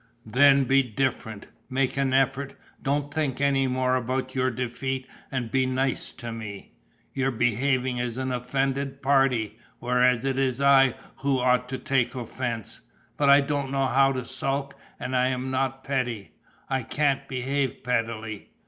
"Then be different. Make an effort, don't think any more about your defeat and be nice to me. You're behaving as the offended party, whereas it is I who ought to take offence. But I don't know how to sulk and I am not petty. I can't behave pettily.